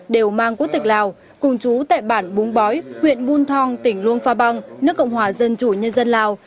đều mang quốc tịch lào cùng chú tại bản búng bói huyện bùn thong tỉnh luông pha băng nước cộng hòa dân chủ nhân dân lào